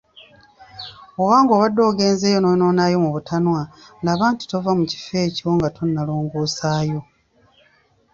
Bw‘oba ng‘obadde ogenzeeyo n‘oyonoonayo mu butanwa, laba nti tova mu kifo ekyo nga tonnalongoosaayo.